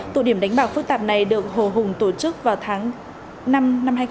tụ điểm đánh bạc phức tạp này được hồ hùng tổ chức vào tháng năm năm hai nghìn hai mươi ba